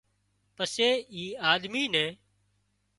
پسي اي آۮمي نين